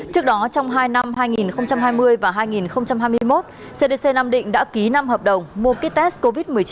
trước đó trong hai năm hai nghìn hai mươi và hai nghìn hai mươi một cdc nam định đã ký năm hợp đồng mua ký test covid một mươi chín